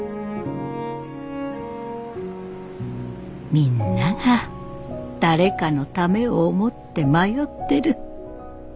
みんなが誰かのためを思って迷ってる。